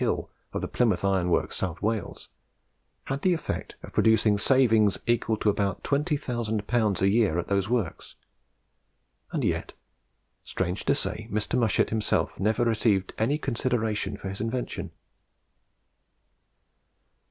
Hill of the Plymouth Iron Works, South Wales, had the effect of producing savings equal to about 20,000L. a year at those works; and yet, strange to say, Mr. Mushet himself never received any consideration for his invention.